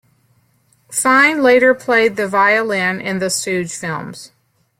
Fine later played the violin in the Stooge films.